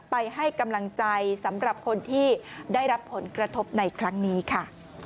ไปให้กำลังใจสำหรับคนที่ได้รับผลกระทบในครั้งนี้ค่ะ